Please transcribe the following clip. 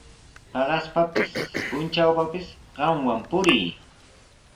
Paqaspapis, puntrawpapis qamwan purii.